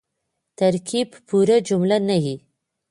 ترکیب پوره جمله نه يي.